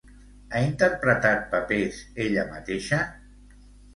Ha interpretat papers ella mateixa?